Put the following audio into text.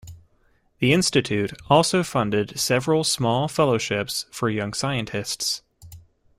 The Institute also funded several small fellowships for young scientists.